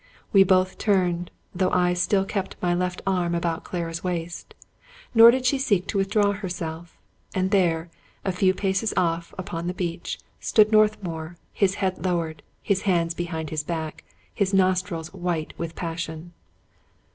We both turned, though I still kept my left arm about Clara's waist; nor did she seek to withdraw herself; and there, a few paces off upon the beach, stood Northmour, his head lowered, his hands behind his back, his nostrils white with passion.